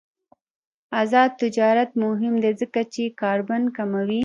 آزاد تجارت مهم دی ځکه چې کاربن کموي.